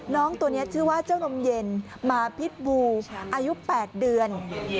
น้องตัวนี้ชื่อว่าเจ้านมเย็นหมาพิษบูอายุ๘เดือน